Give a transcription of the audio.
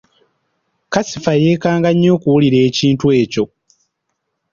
Kasifa yeekanga nnyo okuwulira ekintu ekyo.